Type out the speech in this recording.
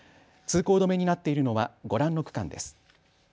通行止めになっているのはご覧の区間です。